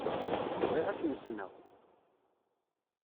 Bɣiɣ ad kem-ssneɣ.